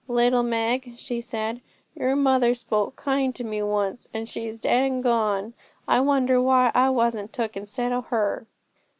'Little Meg,' she said, 'your mother spoke kind to me once, and now she's dead and gone. I wonder why I wasn't took instead o' her?'